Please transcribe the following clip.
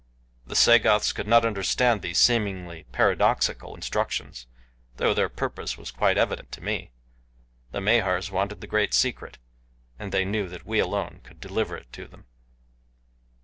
The Sagoths could not understand these seemingly paradoxical instructions, though their purpose was quite evident to me. The Mahars wanted the Great Secret, and they knew that we alone could deliver it to them.